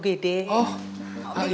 oke kita periksa dulu ya pak ya